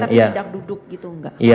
kita tidak duduk gitu